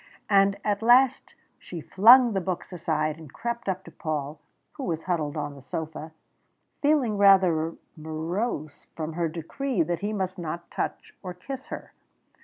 And at last she flung the books aside, and crept up to Paul, who was huddled on the sofa, feeling rather morose from her decree that he must not touch or kiss her.